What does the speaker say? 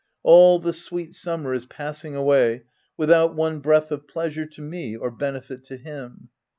All the sweet summer is passing away without one breath of pleasure to me or benefit to him.